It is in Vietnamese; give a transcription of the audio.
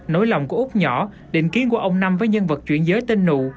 nỗi lòng của út nhỏ định kiến của ông năm với nhân vật chuyển giới tên nụ